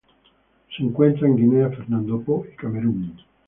Se encuentra en Guinea, Fernando Poo y Camerún.